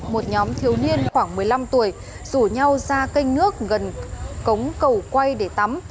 một nhóm thiếu niên khoảng một mươi năm tuổi rủ nhau ra canh nước gần cống cầu quay để tắm